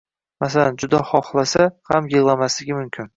masalan, juda xohlasa ham yig‘lamasligi mumkin.